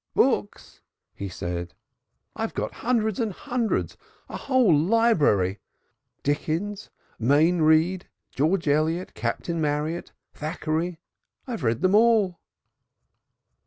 "Books!" he said. "We've got hundreds and hundreds, a whole library Dickens, Mayne Reid, George Eliot, Captain Marryat, Thackeray I've read them all."